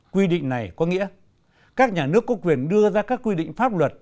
quy định này có nghĩa các nhà nước có quyền đưa ra các quy định pháp luật